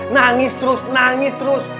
nangis terus nangis terus